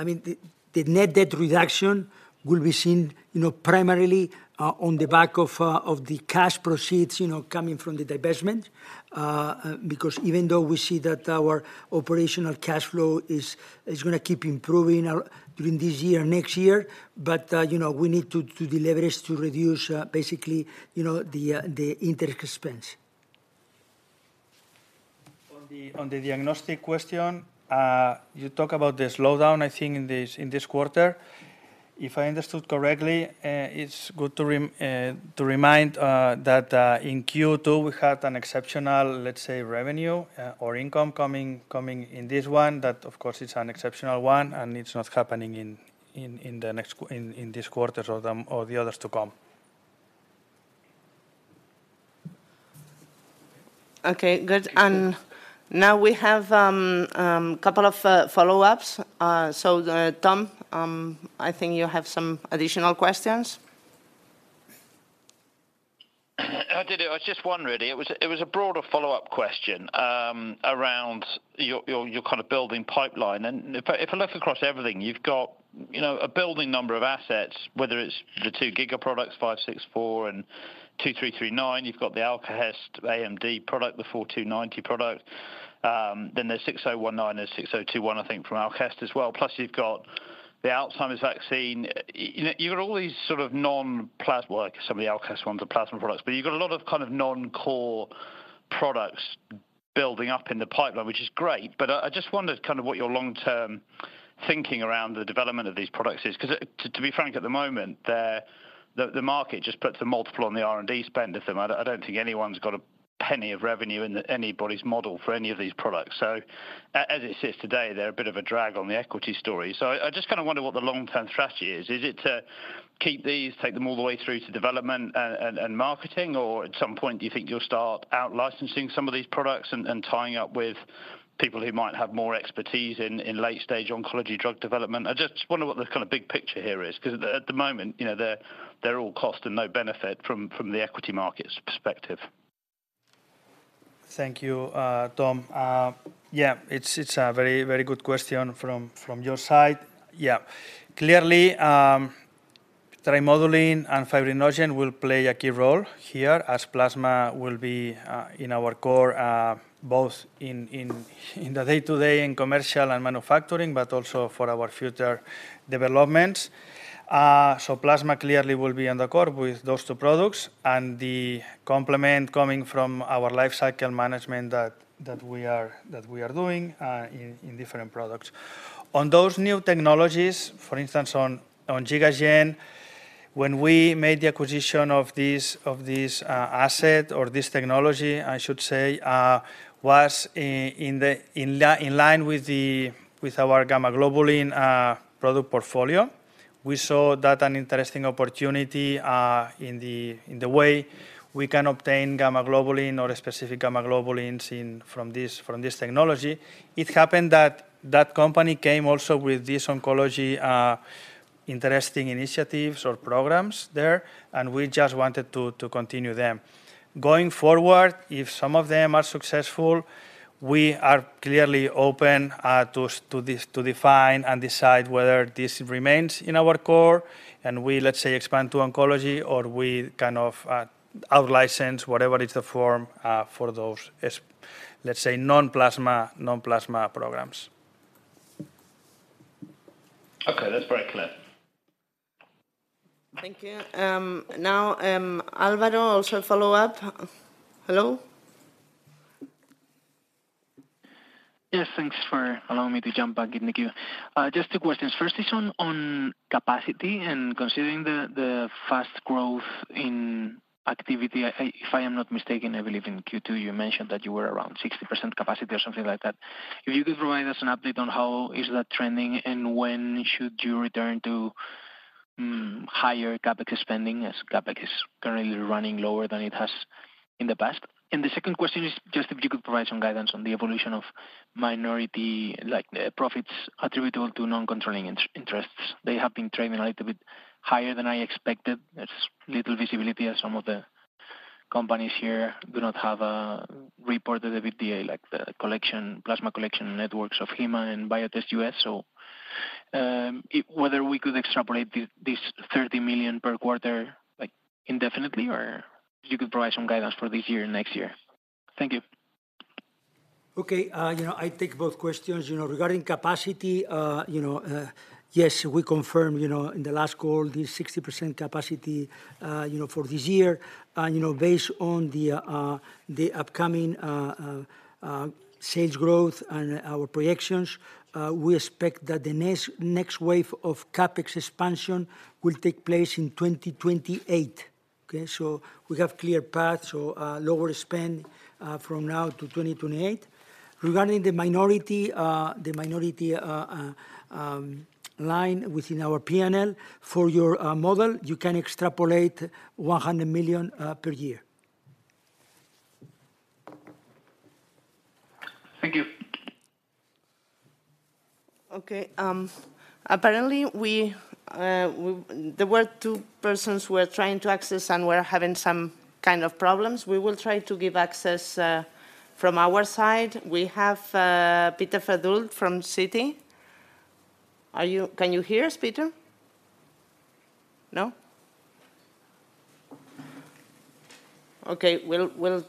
mean, the net debt reduction will be seen, you know, primarily, on the back of the cash proceeds, you know, coming from the divestment. Because even though we see that our operational cash flow is gonna keep improving during this year or next year, but, you know, we need to deleverage, to reduce, basically, you know, the interest expense. On the diagnostic question, you talk about the slowdown, I think, in this quarter. If I understood correctly, it's good to remind that in Q2, we had an exceptional, let's say, revenue or income coming in this one. That, of course, it's an exceptional one, and it's not happening in this quarter or the others to come. Okay, good. Now we have couple of follow-ups. So, Tom, I think you have some additional questions? I did it. I was just one really. It was, it was a broader follow-up question, around your, your, your kind of building pipeline. And if I, if I look across everything, you've got, you know, a building number of assets, whether it's the two Giga products, 564, and 2339. You've got the Alkahest AMD product, the 4290 product. Then there's 6019, and 6021, I think, from Alkahest as well. Plus, you've got the Alzheimer's vaccine. You know, you've got all these sort of non-plasma, like some of the Alkahest ones are plasma products, but you've got a lot of kind of non-core products building up in the pipeline, which is great. But I, I just wondered kind of what your long-term thinking around the development of these products is? 'Cause, to be frank, at the moment, the market just puts a multiple on the R&D spend of them. I don't think anyone's got a penny of revenue in anybody's model for any of these products. So as it sits today, they're a bit of a drag on the equity story. So I just kind of wonder what the long-term strategy is. Is it to keep these, take them all the way through to development and marketing, or at some point, do you think you'll start out-licensing some of these products and tying up with people who might have more expertise in late-stage oncology drug development? I just wonder what the kind of big picture here is, because at the moment, you know, they're all cost and no benefit from the equity market's perspective. Thank you, Tom. Yeah, it's a very, very good question from your side. Yeah. Clearly, trimodulin and fibrinogen will play a key role here, as Plasma will be in our core, both in the day-to-day, in commercial and manufacturing, but also for our future developments. So Plasma clearly will be in the core with those two products and the complement coming from our lifecycle management that we are doing in different products. On those new technologies, for instance, on GigaGen, when we made the acquisition of this asset or this technology, I should say, was in line with our Gammaglobulin product portfolio. We saw that an interesting opportunity in the way we can obtain Gammaglobulin or a specific Gammaglobulins from this technology. It happened that that company came also with this oncology interesting initiatives or programs there, and we just wanted to continue them. Going forward, if some of them are successful, we are clearly open to this, to define and decide whether this remains in our core, and we, let's say, expand to oncology, or we kind of out-license whatever is the form for those, let's say, non-plasma, non-plasma programs. Okay, that's very clear. Thank you. Now, Alvaro, also follow up. Hello? Yes, thanks for allowing me to jump back in the queue. Just two questions. First is on capacity and considering the fast growth in activity. If I am not mistaken, I believe in Q2, you mentioned that you were around 60% capacity or something like that. If you could provide us an update on how that is trending, and when should you return to higher CapEx spending, as CapEx is currently running lower than it has in the past? The second question is just if you could provide some guidance on the evolution of minority profits attributable to non-controlling interests. They have been trending a little bit higher than I expected. There's little visibility, as some of the companies here do not have reported EBITDA, like the collection, plasma collection networks of Haema and Biotest U.S. Whether we could extrapolate this 30 million per quarter, like, indefinitely, or if you could provide some guidance for this year and next year? Thank you. Okay, you know, I take both questions. You know, regarding capacity, you know, yes, we confirm, you know, in the last call, the 60% capacity, you know, for this year. You know, based on the upcoming sales growth and our projections, we expect that the next wave of CapEx expansion will take place in 2028. Okay? So we have clear path, so, lower spend from now to 2028. Regarding the minority line within our P&L, for your model, you can extrapolate 100 million per year. Thank you. Okay. Apparently, there were two persons who were trying to access and were having some kind of problems. We will try to give access from our side. We have Peter Verdult from Citi. Are you... Can you hear us, Peter? No? Okay, we'll-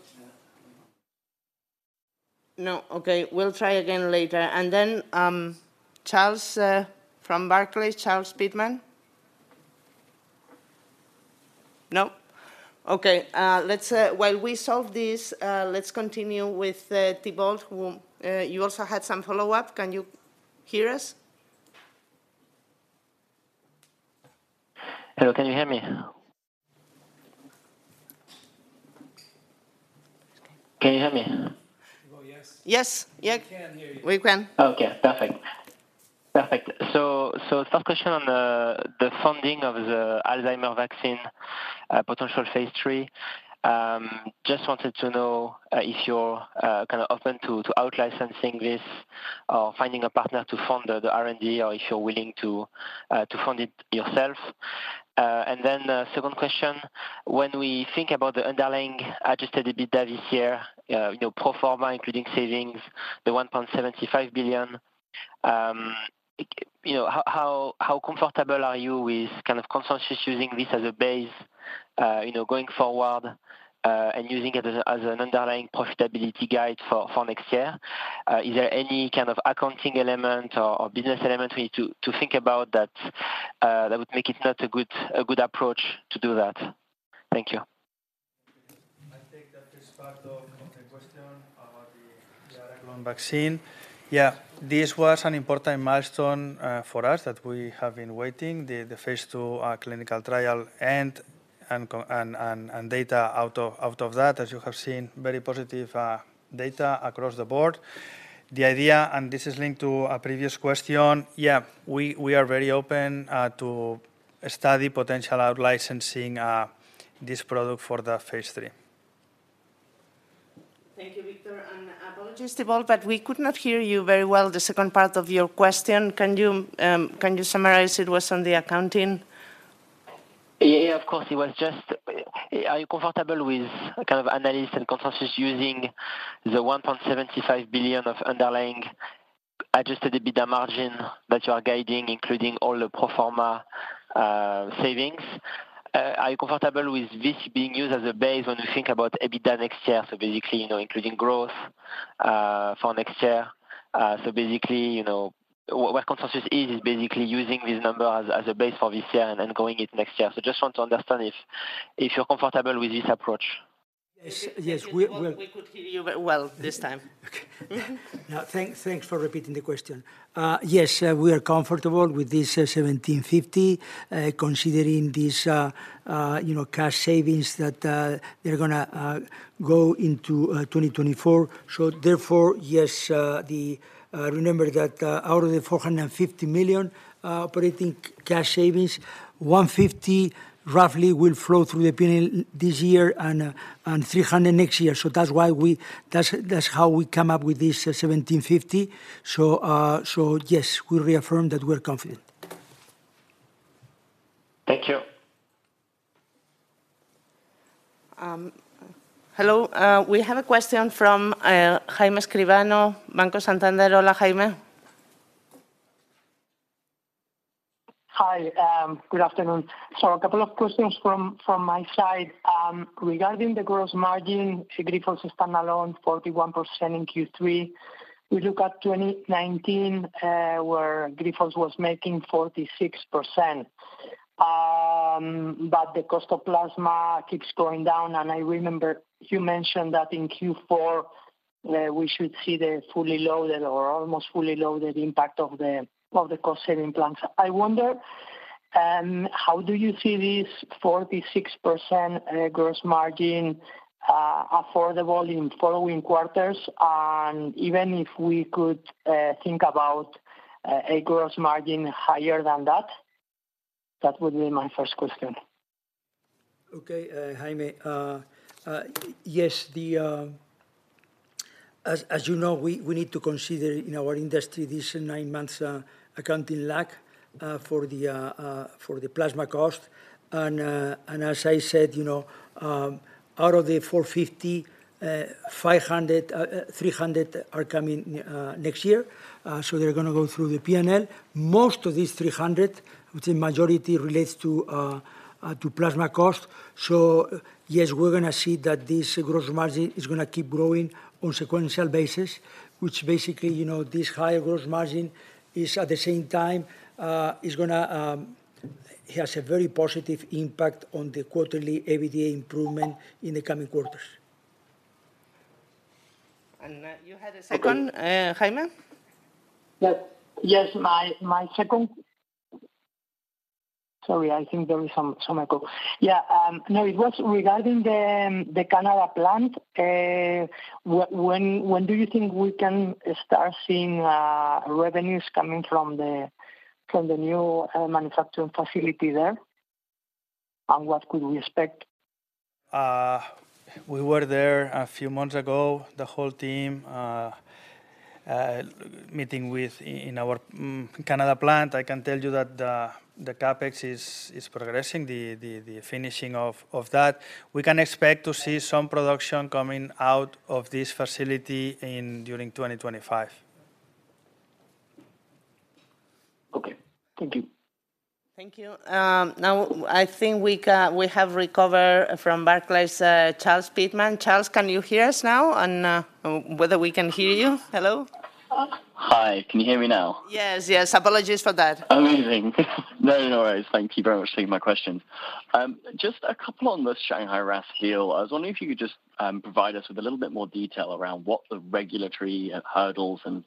No. Okay, we'll try again later. And then, Charles from Barclays, Charles Pitman? No. Okay, let's... While we solve this, let's continue with Thibault, who you also had some follow-up. Can you hear us? Hello, can you hear me? Can you hear me? Oh, yes. Yes. Yes. We can hear you. We can. Okay, perfect. Perfect. So, first question on the funding of the Alzheimer vaccine, potential phase III. Just wanted to know if you're kind of open to out-licensing this or finding a partner to fund the R&D, or if you're willing to fund it yourself. And then, second question: when we think about the underlying adjusted EBITDA this year, you know, proforma, including savings, the 1.75 billion, you know, how, how, how comfortable are you with kind of consciously using this as a base, you know, going forward, and using it as an underlying profitability guide for next year? Is there any kind of accounting element or business element we need to think about that would make it not a good approach to do that? Thank you. I think that this part of the question about the Araclon vaccine. Yeah, this was an important milestone for us, that we have been waiting, the phaseII clinical trial and data out of that. As you have seen, very positive data across the board. The idea, and this is linked to a previous question, yeah, we are very open to study potential out-licensing this product for the phase III. Thank you, Victor. Apologies, Thibault, but we could not hear you very well, the second part of your question. Can you, can you summarize? It was on the accounting. Yeah, of course. It was just, are you comfortable with kind of analysts and consensus using the1.75 billion of underlying adjusted EBITDA margin that you are guiding, including all the pro forma, savings? Are you comfortable with this being used as a base when you think about EBITDA next year, so basically, you know, including growth, for next year? So basically, you know, what consensus is, is basically using this number as, as a base for this year and, and going it next year. So just want to understand if, if you're comfortable with this approach. Yes. Yes, we We could hear you very well this time. Okay. Now, thanks, thanks for repeating the question. Yes, we are comfortable with this 1,750, considering this, you know, cost savings that they're gonna go into 2024. So therefore, yes, the... Remember that, out of the 450 million operating cash savings, 150 million roughly will flow through the P&L this year and, and 300 next year. So that's why we- that's, that's how we come up with this 1,750. So, so yes, we reaffirm that we're confident. Thank you. Hello, we have a question from Jaime Escribano, Banco Santander. Hola, Jaime? Hi, good afternoon. So a couple of questions from my side. Regarding the gross margin, if Grifols is standalone 41% in Q3, we look at 2019, where Grifols was making 46%. But the cost of plasma keeps going down, and I remember you mentioned that in Q4, we should see the fully loaded or almost fully loaded impact of the cost-saving plans. I wonder, how do you see this 46% gross margin affordable in following quarters? And even if we could think about a gross margin higher than that? That would be my first question. Okay, Jaime. Yes, as you know, we need to consider in our industry this nine months accounting lag for the plasma cost. As I said, you know, out of the 450, 500, 300 are coming next year, so they're gonna go through the P&L. Most of these 300, which the majority relates to plasma cost. Yes, we're gonna see that this gross margin is gonna keep growing on sequential basis, which basically, you know, this higher gross margin is at the same time, is gonna, it has a very positive impact on the quarterly EBITDA improvement in the coming quarters. You had a second, Jaime? Yep. Yes, my second. Sorry, I think there is some echo. Yeah, no, it was regarding the Canada plant. When do you think we can start seeing revenues coming from the new manufacturing facility there? And what could we expect? We were there a few months ago, the whole team, meeting within our Canada plant. I can tell you that the CapEx is progressing, the finishing of that. We can expect to see some production coming out of this facility in during 2025. Okay. Thank you. Thank you. Now I think we have recovered from Barclays, Charles Pitman. Charles, can you hear us now? And whether we can hear you. Hello. Hi. Can you hear me now? Yes, yes. Apologies for that. Amazing. No, no worries. Thank you very much for taking my questions. Just a couple on the Shanghai RAAS deal. I was wondering if you could just provide us with a little bit more detail around what the regulatory hurdles and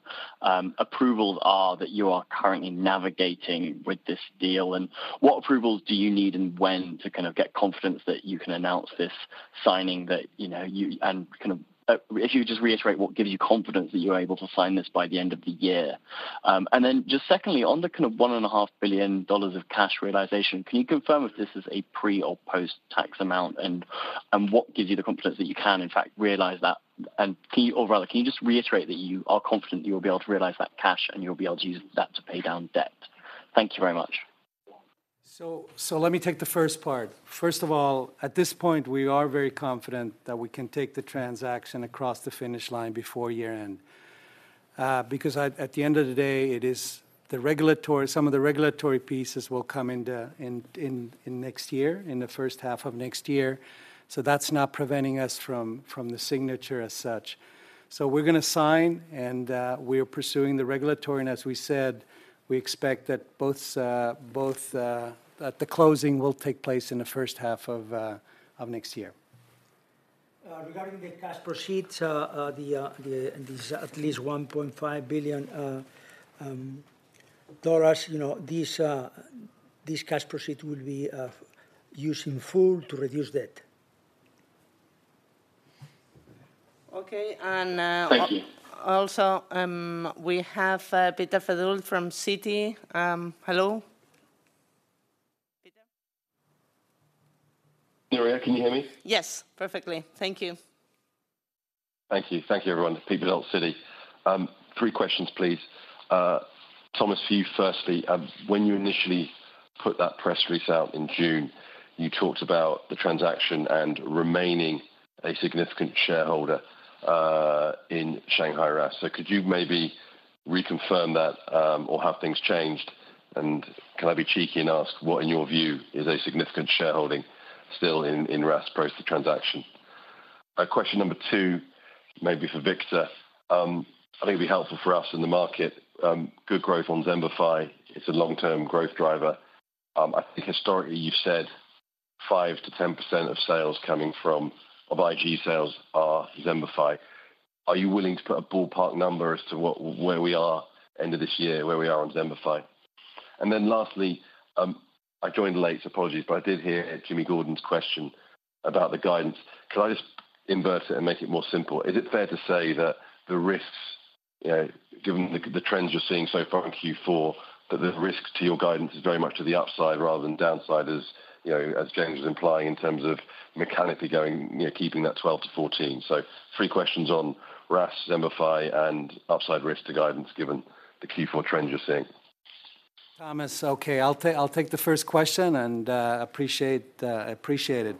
approvals are that you are currently navigating with this deal, and what approvals do you need and when to kind of get confidence that you can announce this signing, that, you know, you. And kind of, if you could just reiterate what gives you confidence that you're able to sign this by the end of the year? And then just secondly, on the kind of $1.5 billion of cash realization, can you confirm if this is a pre or post-tax amount? And, and what gives you the confidence that you can, in fact, realize that? Can you just reiterate that you are confident you'll be able to realize that cash, and you'll be able to use that to pay down debt? Thank you very much. So let me take the first part. First of all, at this point, we are very confident that we can take the transaction across the finish line before year-end. Because at the end of the day, it is the regulatory, some of the regulatory pieces will come into in next year, in the H1 of next year, so that's not preventing us from the signature as such. So we're gonna sign, and we are pursuing the regulatory, and as we said, we expect that the closing will take place in the H1 of next year. Regarding the cash proceeds, this at least $1.5 billion, you know, this cash proceed will be used in full to reduce debt. Okay, and, Thank you Also, we have Peter Verdult from Citi. Hello. Peter? Nuria, can you hear me? Yes, perfectly. Thank you. Thank you. Thank you, everyone. Peter Verdult, Citi. 3 questions, please. Thomas, for you firstly, when you initially put that press release out in June, you talked about the transaction and remaining a significant shareholder in Shanghai RAAS. So could you maybe reconfirm that, or have things changed? And can I be cheeky and ask, what, in your view, is a significant shareholding still in, in RAAS post the transaction? Question number two, maybe for Victor. I think it'd be helpful for us in the market, good growth on Xembify. It's a long-term growth driver. I think historically, you've said 5%-10% of sales coming from, of IG sales are Xembify. Are you willing to put a ballpark number as to where we are end of this year, where we are on Xembify? Then lastly, I joined late, apologies, but I did hear James Gordon's question about the guidance. Can I just invert it and make it more simple? Is it fair to say that the risks, given the trends you're seeing so far in Q4, that the risks to your guidance is very much to the upside rather than downside, as you know, as James was implying, in terms of mechanically going, you know, keeping that 12-14? So three questions on RAAS, Xembify, and upside risk to guidance, given the Q4 trends you're seeing. Okay, I'll take the first question, and I appreciate it.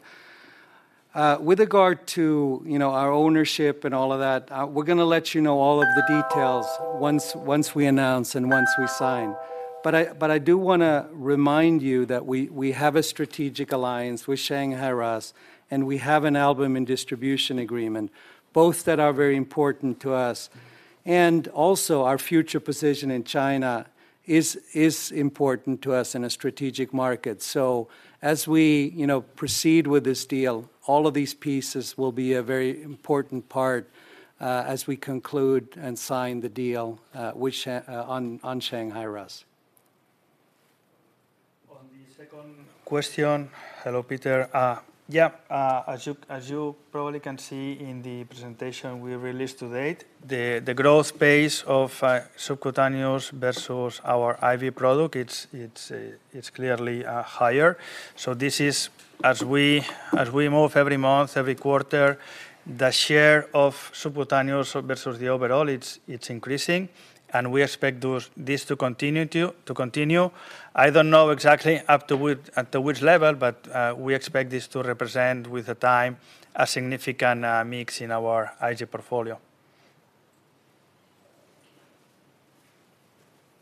With regard to, you know, our ownership and all of that, we're gonna let you know all of the details once we announce and once we sign. But I do wanna remind you that we have a strategic alliance with Shanghai RAAS, and we have an albumin distribution agreement, both that are very important to us. And also our future position in China is important to us in a strategic market. So as we, you know, proceed with this deal, all of these pieces will be a very important part as we conclude and sign the deal with Shanghai RAAS. On the second question. Hello, Peter. As you probably can see in the presentation we released today, the growth pace of subcutaneous versus our IV product, it's clearly higher. So this is as we move every month, every quarter, the share of subcutaneous versus the overall, it's increasing, and we expect this to continue to continue. I don't know exactly up to which level, but we expect this to represent, with the time, a significant mix in our IG portfolio.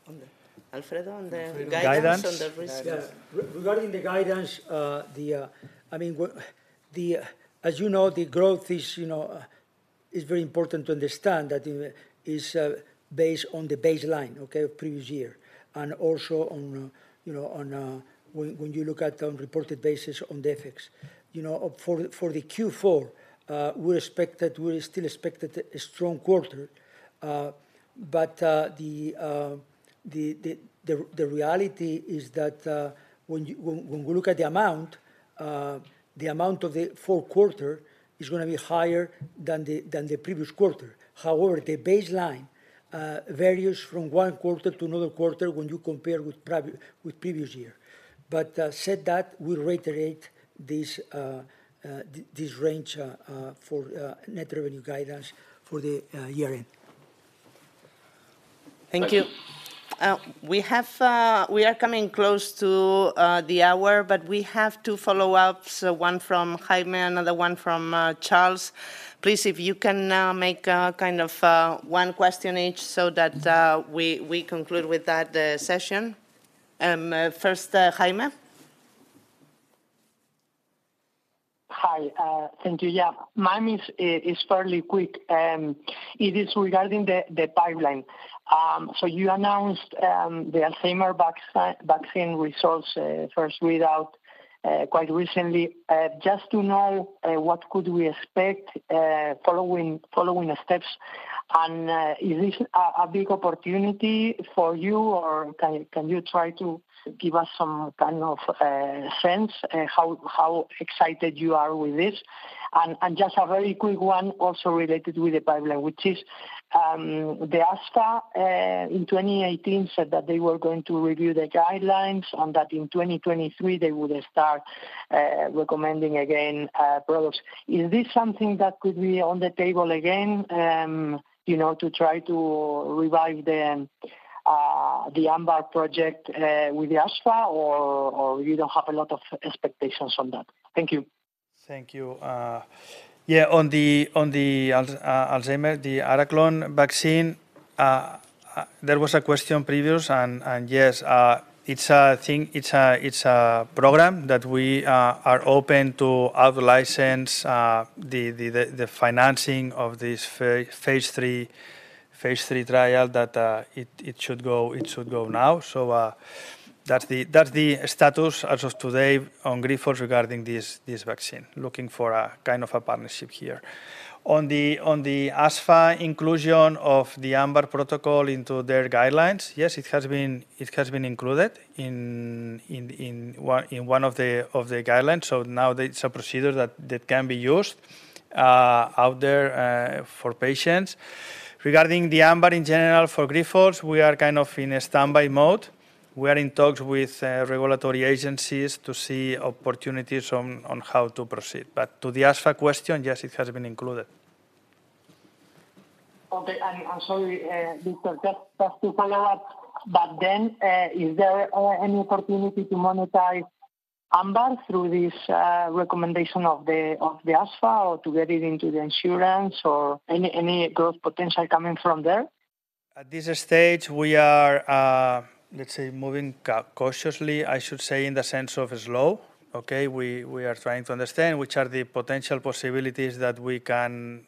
On the... Alfredo, on the guidance- Guidance on the risk. Yes. Regarding the guidance, I mean, as you know, the growth is, you know, is very important to understand that it is based on the baseline, okay, of previous year, and also on, you know, on when you look at on reported basis on the effects. You know, for the Q4, we expect that, we still expect a strong quarter. But the reality is that, when we look at the amount, the amount of the Q4 is gonna be higher than the previous quarter. However, the baseline varies from one quarter to another quarter when you compare with previous year. But, said that, we reiterate this range for net revenue guidance for the year end. Thank you. We have. We are coming close to the hour, but we have two follow-ups, one from Jaime, another one from Charles. Please, if you can, make kind of one question each so that we conclude with that session. First, Jaime. Hi, thank you. Yeah, mine is fairly quick. It is regarding the pipeline. So you announced the Alzheimer vaccine results, first read out quite recently. Just to know what could we expect following the steps? And is this a big opportunity for you, or can you try to give us some kind of sense how excited you are with this? And just a very quick one also related with the pipeline, which is the ASFA in 2018 said that they were going to review the guidelines and that in 2023 they would start recommending again products. Is this something that could be on the table again, you know, to try to revive the AMBAR project with the ASFA, or you don't have a lot of expectations on that? Thank you. Thank you. Yeah, on the Alzheimer, the Araclon vaccine, there was a question previous and, yes, it's a thing. It's a, it's a program that we are open to out-license, the financing of this phase three trial that it should go now. So, that's the status as of today on Grifols regarding this vaccine, looking for a kind of a partnership here. On the ASFA inclusion of the AMBAR protocol into their guidelines, yes, it has been included in one of the guidelines, so now it's a procedure that can be used out there for patients. Regarding the AMBAR in general, for Grifols, we are kind of in a standby mode. We are in talks with regulatory agencies to see opportunities on how to proceed. But to the ASFA question, yes, it has been included. Okay, and I'm sorry, Victor, just to follow up, but then, is there any opportunity to monetize AMBAR through this recommendation of the ASFA, or to get it into the insurance or any growth potential coming from there? At this stage, we are, let's say, moving cautiously, I should say, in the sense of slow, okay? We, we are trying to understand which are the potential possibilities that we can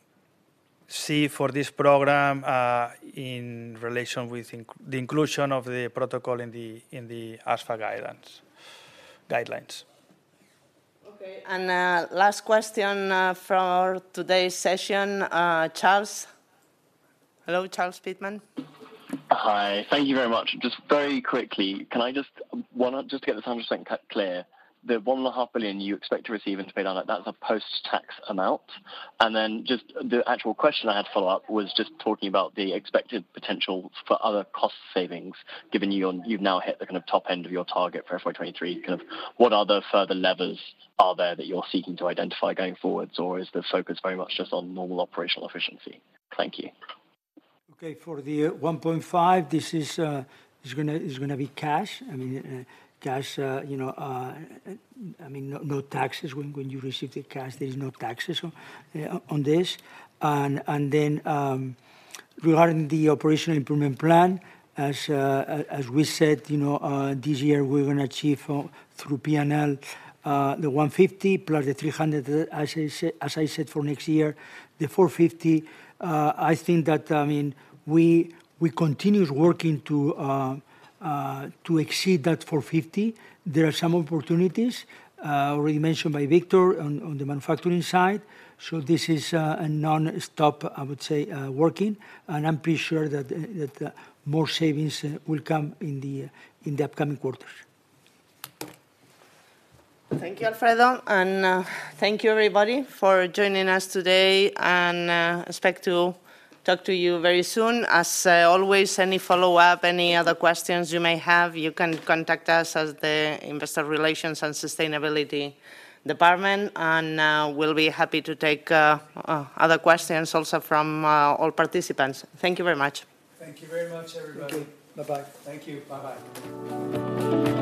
see for this program, in relation with the inclusion of the protocol in the, in the ASFA guidelines. Okay, and last question for today's session, Charles. Hello, Charles Pitman. Hi. Thank you very much. Just very quickly, can I just wanna just get this 100% clear, the 1.5 billion you expect to receive in payment, that's a post-tax amount? And then just the actual question I had follow-up was just talking about the expected potential for other cost savings, given you've now hit the kind of top end of your target for FY 2023. Kind of what other further levers are there that you're seeking to identify going forwards, or is the focus very much just on normal operational efficiency? Thank you. Okay. For the 1.5, this is gonna be cash. I mean, cash, you know, I mean, no, no taxes. When you receive the cash, there is no taxes on this. And then, regarding the operational improvement plan, as we said, you know, this year we're gonna achieve through P&L the 150 plus the 300, as I said, for next year, the 450. I think that, I mean, we continued working to exceed that 450. There are some opportunities already mentioned by Victor on the manufacturing side, so this is a nonstop, I would say, working, and I'm pretty sure that more savings will come in the upcoming quarters. Thank you, Alfredo, and thank you everybody for joining us today, and expect to talk to you very soon. As always, any follow-up, any other questions you may have, you can contact us as the Investor Relations and Sustainability Department, and we'll be happy to take other questions also from all participants. Thank you very much. Thank you very much, everybody. Thank you. Bye-bye. Thank you. Bye-bye.